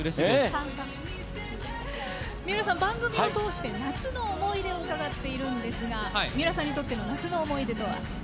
番組を通して「夏の思い出」を伺っているんですが三浦さんにとっての「夏の思い出」とは？